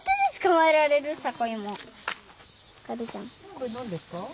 これ何ですか？